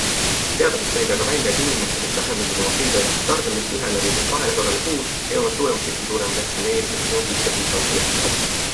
Teadlased tõid aga välja, et inimestel, kes vähendasid oma friikartulite tarbimist ühele või kahele korrale kuus, ei olnud suuremat riski suremiseks, kui neil, kes ei söönud üldse friikartuleid.